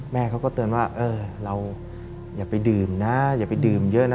แม่เขาก็เตือนว่าเออเราอย่าไปดื่มนะอย่าไปดื่มเยอะนะ